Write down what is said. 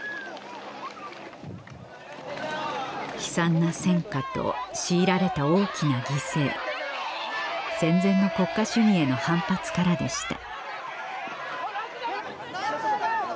悲惨な戦渦と強いられた大きな犠牲戦前の国家主義への反発からでした